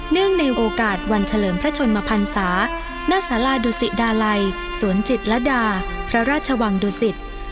ในโอกาสวันเฉลิมพระชนมพันศาหน้าสาราดุสิดาลัยสวนจิตรดาพระราชวังดุสิต